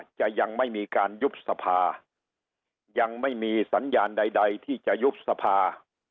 จะยังไม่มีการยุบสภายังไม่มีสัญญาณใดที่จะยุบสภา